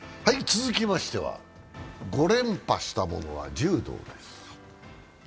続きましては５連覇したものは柔道です。